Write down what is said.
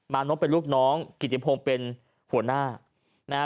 มานพเป็นลูกน้องกิจิพงศ์เป็นหัวหน้า